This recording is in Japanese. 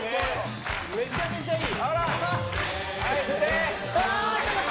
めちゃめちゃいい。